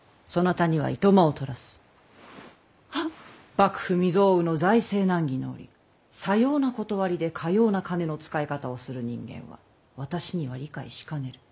幕府未曽有の財政難儀の折さような理でかような金の使い方をする人間は私には理解しかねる。